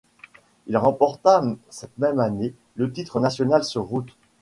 Il remporta cette même année le titre national sur route.